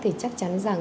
thì chắc chắn rằng